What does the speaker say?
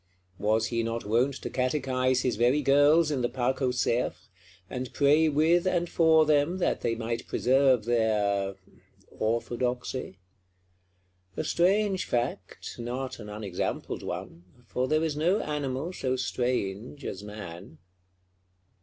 Was he not wont to catechise his very girls in the Parc aux cerfs, and pray with and for them, that they might preserve their—orthodoxy? A strange fact, not an unexampled one; for there is no animal so strange as man.